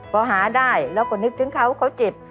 พอหาได้เราก็นึกถึงเขาเขาเจ็บ